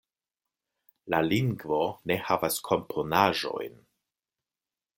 La lingvo ne havas komponaĵojn.